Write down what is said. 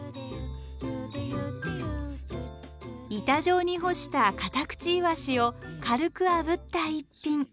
板状に干したカタクチイワシを軽くあぶった逸品。